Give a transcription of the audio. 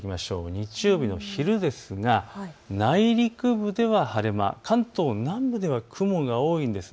日曜日の昼ですが、内陸部では晴れ間、関東南部では雲が多いです。